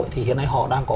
thì hiện nay họ đang có